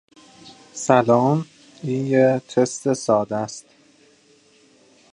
He secured the backing of the London Trades Council for the new union.